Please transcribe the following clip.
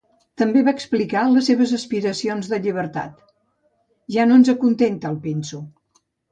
També va explicar les seves aspiracions de llibertat: Ja no ens acontenta el pinso.